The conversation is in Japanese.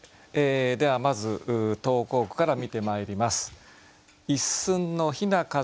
ではまず投稿句から見てまいります。